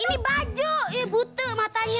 ini baju ihh butuh matanya